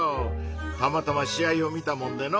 たまたま試合を見たもんでの。